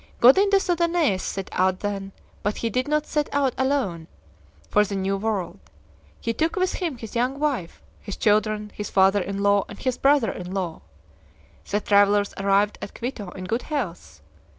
Godin des Odonais set out then, but he did not set out alone, for the New World; he took with him his young wife, his children, his father in law, and his brother in law. The travelers arrived at Quito in good health.